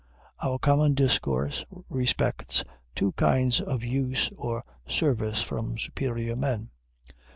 Our common discourse respects two kinds of use or service from superior men.